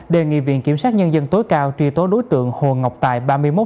đề nghị viện kiểm sát nhân dân tối cao truy tố đối tượng hồ ngọc tài